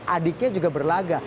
adiknya juga berlaga